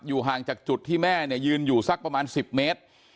ห่างจากจุดที่แม่เนี่ยยืนอยู่สักประมาณ๑๐เมตร